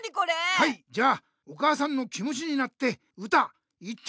はいじゃあお母さんの気もちになって歌いってみよう！